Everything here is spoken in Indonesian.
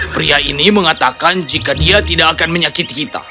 pria ini mengatakan jika dia tidak akan menyakiti kita